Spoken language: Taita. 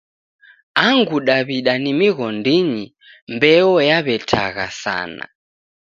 Angu Daw'ida ni mighondinyi mbeo yaw'etagha sana.